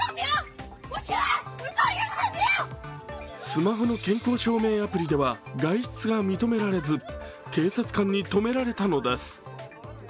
スマホの健康証明アプリでは外出が認められず、警察官に止められたのです。